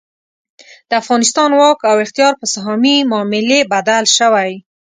د افغانستان واک او اختیار په سهامي معاملې بدل شوی.